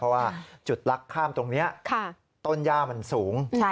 เพราะว่าจุดลักข้ามตรงนี้ต้นย่ามันสูง